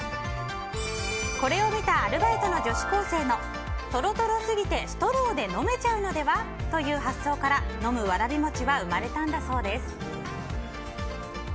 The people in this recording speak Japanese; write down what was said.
これを見たアルバイトの女子高生のとろとろ過ぎてストローで飲めちゃうのでは？という発想から飲むわらびもちは生まれたんだそうです。